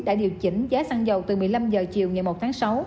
đã điều chỉnh giá xăng dầu từ một mươi năm h chiều ngày một tháng sáu